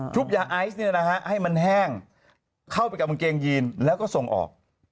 ยาไอซ์ให้มันแห้งเข้าไปกับกางเกงยีนแล้วก็ส่งออก